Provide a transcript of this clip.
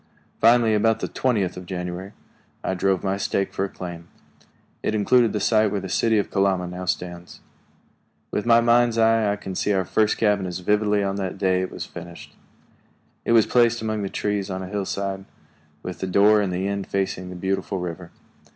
Finally, about the twentieth of January, I drove my stake for a claim. It included the site where the city of Kalama now stands. With my mind's eye I can see our first cabin as vividly as on the day it was finished. It was placed among the trees on a hillside, with the door in the end facing the beautiful river.